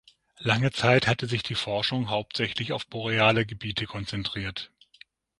Lange Zeit hatte sich die Forschung hauptsächlich auf boreale Gebiete konzentriert.